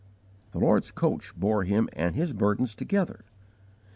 The Lord's coach bore him and his burdens together.